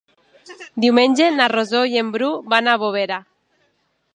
Diumenge na Rosó i en Bru van a Bovera.